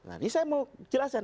ini saya mau jelasin